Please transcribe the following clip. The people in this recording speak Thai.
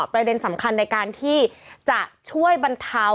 ประเด็นสำคัญในการที่จะช่วยบรรเทา